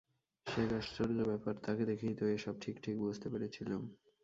সে এক আশ্চর্য ব্যাপার! তাঁকে দেখেই তো এ-সব ঠিক ঠিক বুঝতে পেরেছিলুম।